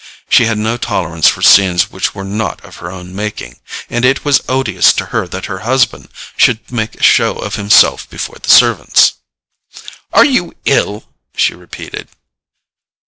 She had no tolerance for scenes which were not of her own making, and it was odious to her that her husband should make a show of himself before the servants. "Are you ill?" she repeated.